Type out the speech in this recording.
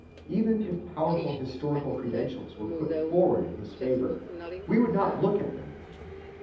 Even if powerful historical credentials were put forward in his favor, we would not look at them.